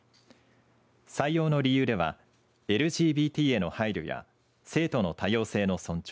採用の理由ではＬＧＢＴへの配慮や生徒の多様性の尊重